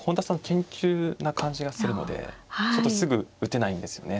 研究な感じがするのでちょっとすぐ打てないんですよね